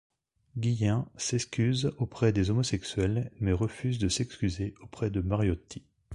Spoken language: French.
Guillen s'excuse auprès des homosexuels mais refuse de s'excuser auprès de Mariotti.